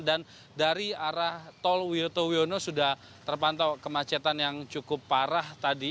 dan dari arah tol wiyoto wiyono sudah terpantau kemacetan yang cukup parah tadi